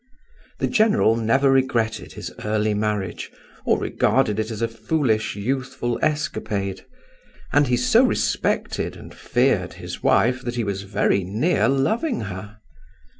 The general never regretted his early marriage, or regarded it as a foolish youthful escapade; and he so respected and feared his wife that he was very near loving her.